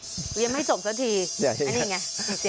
ยังไม่จบซะทีนี่ไง